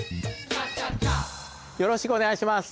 よろしくお願いします。